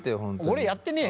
俺やってねえよ！